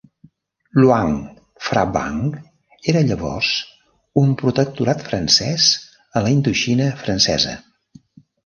Luang Phrabang era llavors un protectorat francès a la Indoxina francesa.